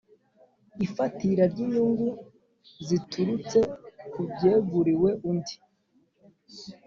Ifatira ry inyungu ziturutse ku byeguriwe undi